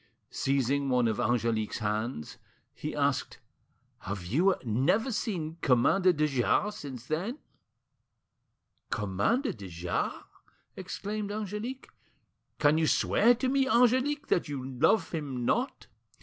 Seizing one of Angelique's hands, he asked— "Have you never seen Commander de Jars since then?" "Commander de Jars!" exclaimed Angelique. "Can you swear to me, Angelique, that you love him not?"